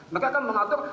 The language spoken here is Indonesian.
mereka kan mengatur